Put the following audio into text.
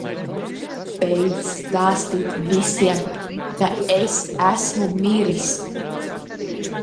Beidz stāstīt visiem, ka es esmu miris!